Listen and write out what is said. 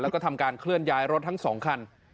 แล้วก็ทำการเคลื่อนย้ายรถทั้ง๒คัน